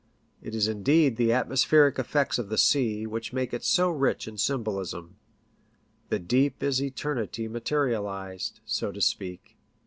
It is indeed the atmospheric effects of the sea, which make it so rich in symholism. The deep is eternity materialized, so to speak.